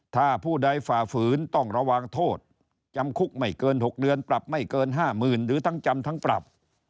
ถ้าผู้ใดฝ่าฝืนต้องระวังโทษจำคุกไม่เกิน๖เดือนปรับไม่เกิน๕๐๐๐หรือทั้งจำทั้งปรับ